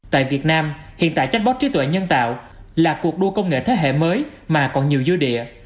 tại việt nam hiện tại chanh bóp trí tuệ nhân tạo là cuộc đua công nghệ thế hệ mới mà còn nhiều dư địa